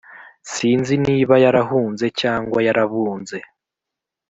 sinzi niba yarahunze cyangwa yarabunze